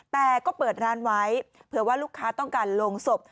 แต่ก็เปิดร้านไว้เผื่อว่าลูกค้าต้องการลงศพ